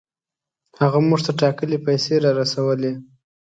هغه موږ ته ټاکلې پیسې را رسولې.